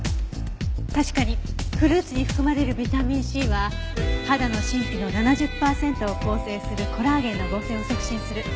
確かにフルーツに含まれるビタミンＣは肌の真皮の７０パーセントを構成するコラーゲンの合成を促進する。